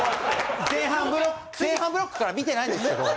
前半ブロックから見てないんですけど。